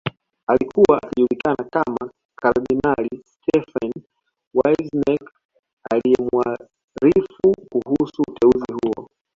Alikuwa akijulikana kama kardinali Stefan Wyszynsk aliyemuarifu kuhusu uteuzi huo